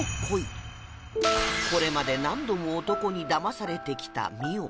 これまで何度も男にだまされてきた澪